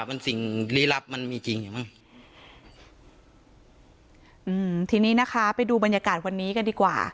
มันสิ่งลี้ลับมันมีจริงอยู่มั้งอืมทีนี้นะคะไปดูบรรยากาศวันนี้กันดีกว่า